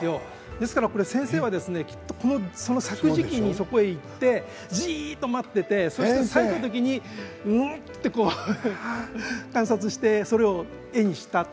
ですから、先生はきっと、その咲く時期にそこへ行って、じーっと待っていて咲いた時に観察してそれを絵にしたと。